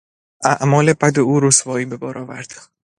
اعمال بد او رسوایی به بار آورد.